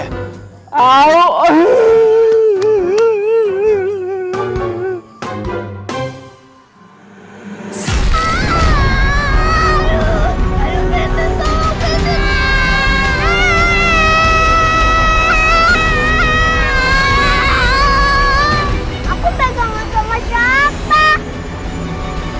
aku pegang agama siapa